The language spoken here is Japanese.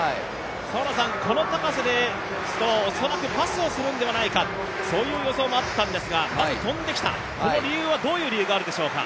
この高さですと、恐らくパスをするのではないか、そういう予想もあったんですけれどもまず跳んできた、この理由はどういう理由があるんでしょうか。